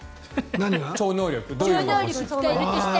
超能力どういうものが欲しい？